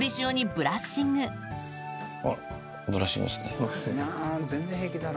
ブラッシングですね。